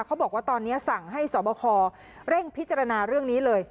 เขาบอกว่าตอนนี้สั่งให้สอบคอเร่งพิจารณาเรื่องนี้เลย